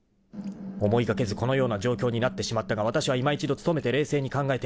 ［思いがけずこのような状況になってしまったがわたしはいま一度努めて冷静に考えてみた］